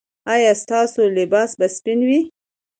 ایا ستاسو لباس به سپین وي؟